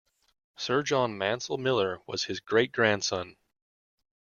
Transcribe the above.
Sir John Mansel Miller was his great-grandson.